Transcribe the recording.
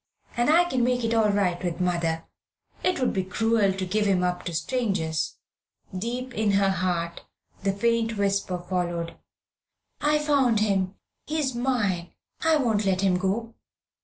And I can make it all right with mother. It would be cruel to give him up to strangers." Deep in her heart the faint whisper followed "I found him; he's mine. I won't let him go."